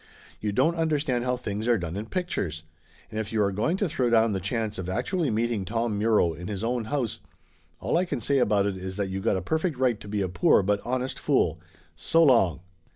"You don't understand how things are done in pictures. And if you are going to throw down the chance of actually meeting Tom Muro in his own house, all I can say about it is that you got a perfect right to be a poor but honest fool ! So long